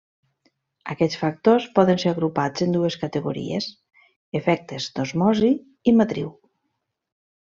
Aquests factors poden ser agrupats en dues categories: efectes d'osmosi i de matriu.